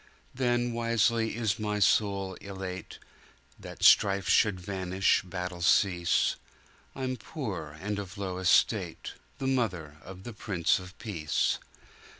"Then wisely is my soul elate, That strife should vanish, battle cease. I'm poor and of a low estate, The mother of the Prince of Peace.